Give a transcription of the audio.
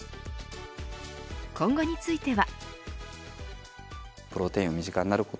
今後については。